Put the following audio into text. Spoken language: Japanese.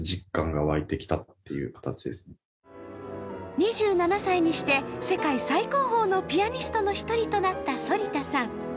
２７歳にして世界最高峰のピアニストの１人となった反田さん。